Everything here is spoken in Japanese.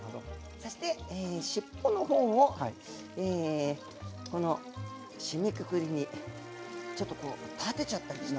そして尻尾のほうをえこの締めくくりにちょっとこう立てちゃったりして。